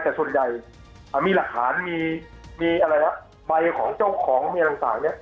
แต่ส่วนใหญ่มีหลักฐานมีใบของเจ้าของแม่ต่าง